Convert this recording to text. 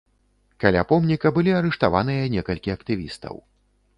Каля помніка былі арыштаваныя некалькі актывістаў.